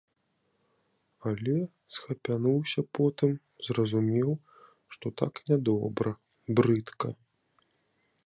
Але схапянуўся потым, зразумеў, што так нядобра, брыдка.